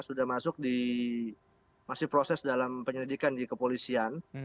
sudah masuk di masih proses dalam penyelidikan di kepolisian